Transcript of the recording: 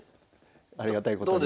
ありがたいことに。